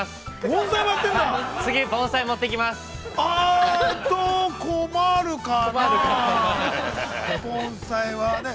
盆栽はね。